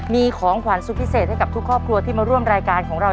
มีของขวัญสุดพิเศษให้กับทุกครอบครัวที่มาร่วมรายการของเรา